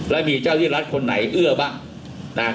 แล้วมีเจ้าที่รัฐคนไหนเอื้อบ้างนะ